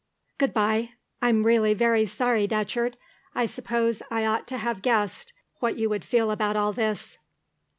"Goodbye. I'm really very sorry, Datcherd. I suppose I ought to have guessed what you would feel about all this."